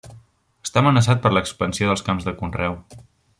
Està amenaçat per l'expansió dels camps de conreu.